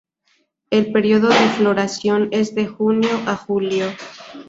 El período de floración es de junio a julio.